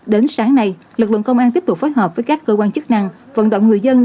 đến sáng nay lực lượng công an tiếp tục phối hợp với các cơ quan chức năng vận động người dân